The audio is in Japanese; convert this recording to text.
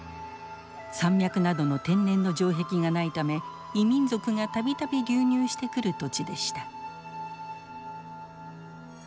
山脈などの天然の城壁がないため異民族がたびたび流入してくる土地でした。